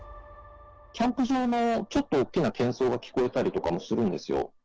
キャンプ場のちょっと大きなけん騒が聞こえたりとかもするんですよ。